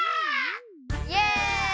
イエイ！